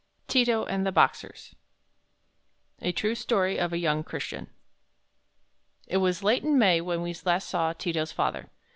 "_ TI TO AND THE BOXERS A True Story of a Young Christian It was late in May when we last saw Ti to's father.